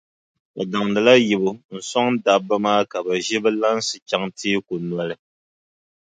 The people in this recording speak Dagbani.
O daŋdila yibu n-sɔŋ dabba maa ka bɛ ʒi bɛ lansi chaŋ teeku noli.